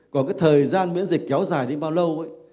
còn cái thời gian miễn dịch kéo dài đến bao lâu ấy